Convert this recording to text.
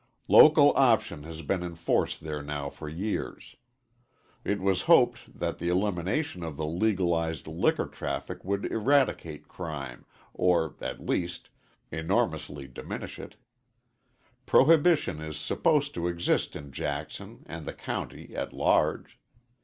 Local option has been in force there now for years. It was hoped that the elimination of the legalized liquor traffic would eradicate crime, or, at least, enormously diminish it. Prohibition is supposed to exist in Jackson and the county at large.